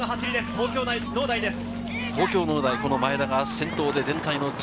東京農大です。